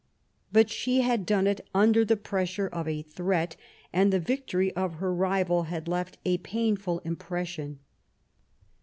But she had done it under the pressure of a threat, and the victory of her rival had left a painful impression.